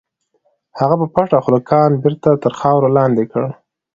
هغه په پټه خوله کان بېرته تر خاورو لاندې کړ.